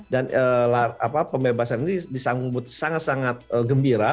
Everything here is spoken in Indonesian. dan pembebasan ini disambut sangat sangat gembira